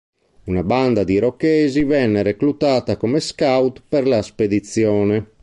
Una banda di irochesi venne reclutata come scout per la spedizione.